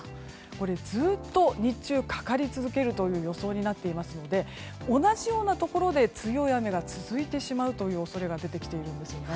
これずっと日中かかり続けるという予想になっていますので同じようなところで強い雨が続いてしまうという恐れが出てきているんですよね。